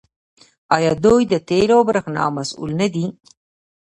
آیا دوی د تیلو او بریښنا مسوول نه دي؟